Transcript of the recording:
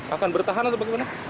akan bertahan atau bagaimana